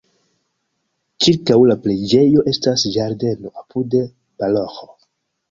Ĉirkaŭ la preĝejo estas ĝardeno, apude paroĥo.